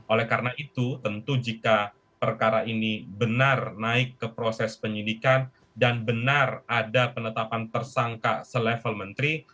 oleh karena itu tentu jika perkara ini benar naik ke proses penyidikan dan benar ada penetapan tersangka selevel menteri